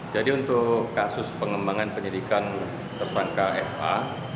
jadi untuk kasus pengembangan penyelidikan tersangka fa